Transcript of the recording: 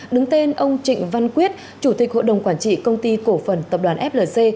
đứng tên ông trịnh văn quyết chủ tịch hội đồng quản trị công ty cổ phần tập đoàn flc